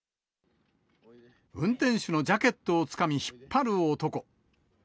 運転手のジャケットをつかみ、引っ張る男。